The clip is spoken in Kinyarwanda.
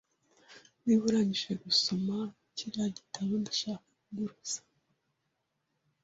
Niba urangije gusoma kiriya gitabo, ndashaka kuguriza.